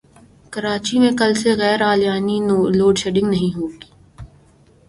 کراچی میں کل سے غیراعلانیہ لوڈشیڈنگ نہیں ہوگی